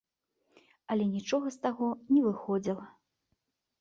Але нічога з таго не выходзіла.